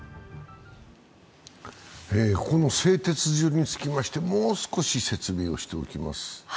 ここの製鉄所につきまして、もう少し説明をしておきます。